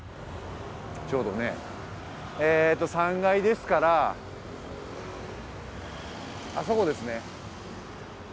ちょうどねえと３階ですからあそこですね